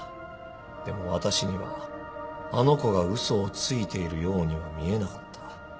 でも私にはあの子が嘘をついているようには見えなかった。